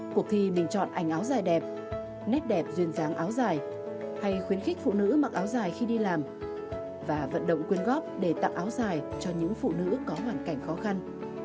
cuộc thi bình chọn ảnh áo dài đẹp nét đẹp duyên dáng áo dài hay khuyến khích phụ nữ mặc áo dài khi đi làm và vận động quyên góp để tặng áo dài cho những phụ nữ có hoàn cảnh khó khăn